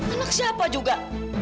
anak siapa juga